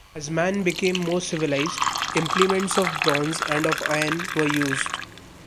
As man became more civilized, implements of bronze and of iron were used.